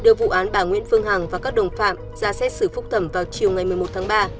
đưa vụ án bà nguyễn phương hằng và các đồng phạm ra xét xử phúc thẩm vào chiều ngày một mươi một tháng ba